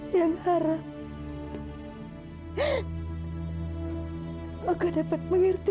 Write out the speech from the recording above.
yang harap oka dapat mengerti